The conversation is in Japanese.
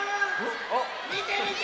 みてみて！